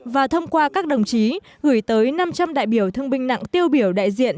và thông qua các đồng chí gửi tới năm trăm linh đại biểu thương binh nặng tiêu biểu đại diện